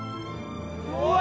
うわ！